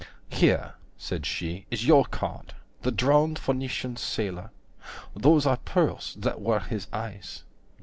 Here, said she, Is your card, the drowned Phoenician Sailor, (Those are pearls that were his eyes.